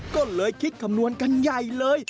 ก็เลยคิดคำนวณกันใหญ่เลย